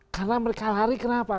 karena mereka lari kenapa